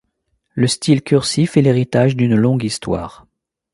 Le style cursif est l’héritage d’une longue histoire.